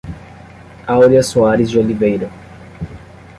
Aurea Soares de Oliveira